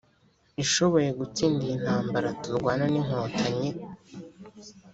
ishoboye gutsinda iyi ntambara turwana n’inkotanyi